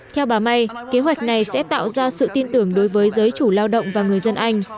theo bà may kế hoạch này sẽ tạo ra sự tin tưởng đối với giới chủ lao động và người dân anh